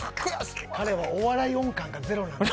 彼はお笑い音感がゼロなんです。